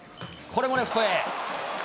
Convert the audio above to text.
これもレフトへ。